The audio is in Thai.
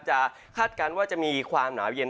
คาดการณ์ว่าจะมีความหนาวเย็น